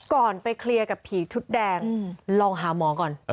ไปเคลียร์กับผีชุดแดงลองหาหมอก่อน